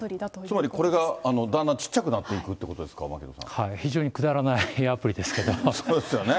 つまりこれがだんだんちっちゃくなっていくということですか、非常にくだらないアプリですそうですよね。